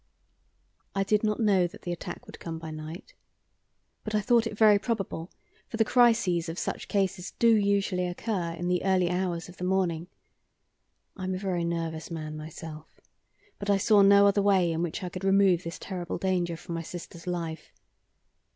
I did not know that the attack would come by night, but I thought it very probable, for the crises of such cases usually do occur in the early hours of the morning. I am a very nervous man myself, but I saw no other way in which I could remove this terrible danger from my sister's life.